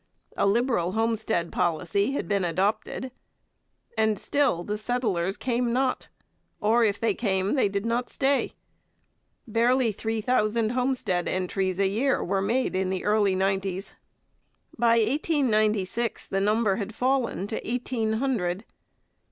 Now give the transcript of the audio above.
A liberal homestead policy had been adopted. And still the settlers came not, or if they came they did not stay. Barely three thousand homestead entries a year were made in the early nineties. By 1896 the number had fallen to eighteen hundred.